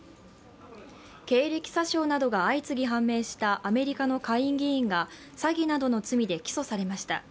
経歴詐称などが相次ぎ判明したアメリカの下院議員が詐欺などの罪で起訴されました。